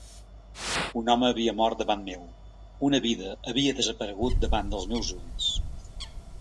Un home havia mort davant meu; una vida havia desaparegut davant dels meus ulls.